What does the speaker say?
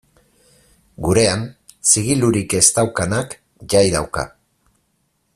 Gurean, zigilurik ez daukanak jai dauka.